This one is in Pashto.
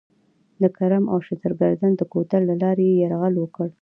د کرم او شترګردن د کوتل له لارې یې یرغل وکړ.